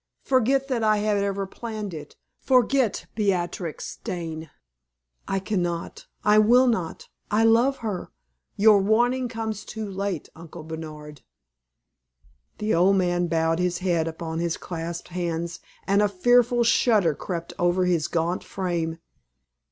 Forget that I had ever planned it forget Beatrix Dane!" "I can not I will not! I love her. Your warning comes too late, Uncle Bernard." The old man bowed his head upon his clasped hands, and a fearful shudder crept over his gaunt frame.